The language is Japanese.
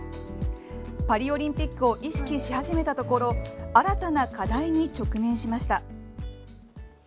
パリオリンピックを意識し始めたところ新たな課題に直面しました。